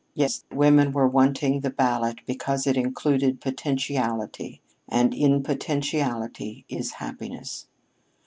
Yes, women were wanting the ballot because it included potentiality, and in potentiality is happiness.